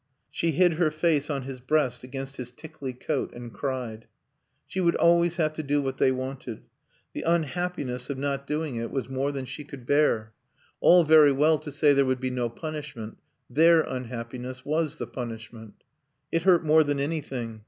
She hid her face on his breast against his tickly coat, and cried. She would always have to do what they wanted; the unhappiness of not doing it was more than she could bear. All very well to say there would be no punishment; their unhappiness was the punishment. It hurt more than anything.